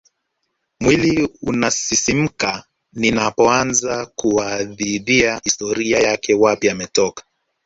Mwiliunasisimka ninapoanza kuhadithia historia yake wapi ametoka